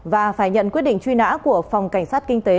và phải nhận quyết định truy nã của phòng cảnh sát kinh tế